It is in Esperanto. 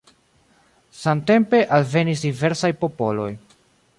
Samtempe alvenis diversaj popoloj.